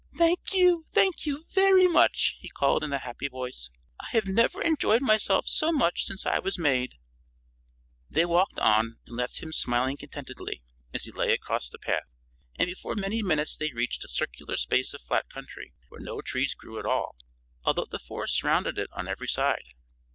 "Thank you! Thank you very much!" he called, in a happy voice. "I have never enjoyed myself so much since I was made." They walked on and left him smiling contentedly as he lay across the path, and before many minutes they reached a circular space of flat country where no trees grew at all, although the forest surrounded it on every side.